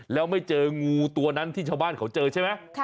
แล้วไม่เจองูตัวนั้นที่ชาวบ้านเขาเจอใช่ไหม